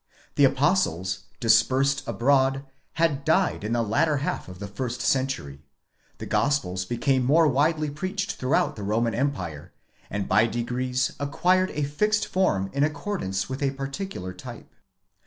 The Apostles, dispersed abroad, had died in the latter half of the first century ; the Gospel became more widely preached throughout the Roman empire, and by degrees acquired a fixed form in accordance with a particular type.